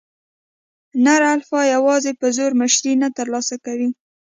نر الفا یواځې په زور مشري نه تر لاسه کوي.